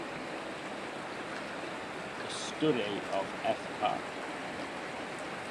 A study of Fr.